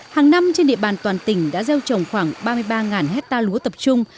hàng năm trên địa bàn toàn tỉnh đã gieo trồng khoảng ba mươi ba hecta lúa tập trung